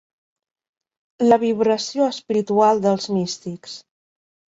La vibració espiritual dels místics.